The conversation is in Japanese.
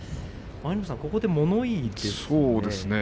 舞の海さん、ここで物言いですね。